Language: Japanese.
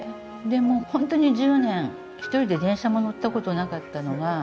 でもう本当に１０年１人で電車も乗ったことなかったのが。